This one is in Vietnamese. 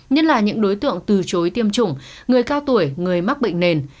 nhất là những đối tượng từ chối tiêm chủng người cao tuổi người mắc bệnh nền